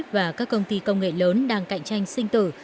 và các công ty công nghệ lớn đang cạnh tranh sinh tử